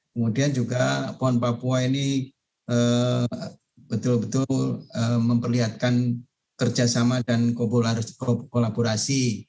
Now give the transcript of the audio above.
kemudian juga pon papua ini betul betul memperlihatkan kerjasama dan kolaborasi